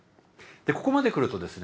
ここまでくるとですね